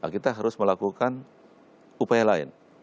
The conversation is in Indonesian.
kita harus melakukan upaya lain